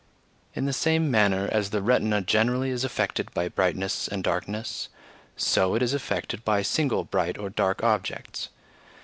In the same manner as the retina generally is affected by brightness and darkness, so it is affected by single bright or dark objects.